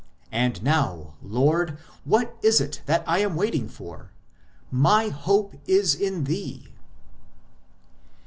And now, Lord, what is it that I am waiting for ? My hope is in thee